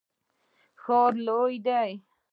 ښار لوی دی.